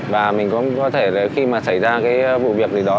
và mình cũng có thể là khi mà xảy ra cái vụ việc gì đó